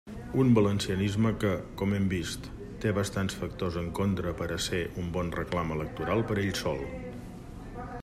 Un valencianisme que, com hem vist, té bastants factors en contra per a ser un bon reclam electoral per ell sol.